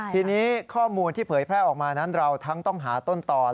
ทีนี้ข้อมูลที่เผยแพร่ออกมานั้นเราทั้งต้องหาต้นตอน